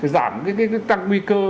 giảm cái tăng nguy cơ